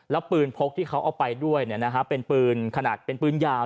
แล้วปืนพกที่เขาเอาไปด้วยเป็นปืนขนาดเป็นปืนยาว